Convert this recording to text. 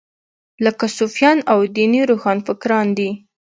لکه صوفیان او دیني روښانفکران دي.